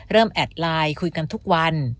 เริ่มแอดไลน์คุยกันทุกวัน